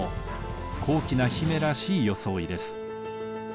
高貴な姫らしい装いです。